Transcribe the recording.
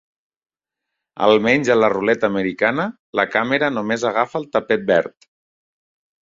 Almenys a la ruleta americana la càmera només agafa el tapet verd.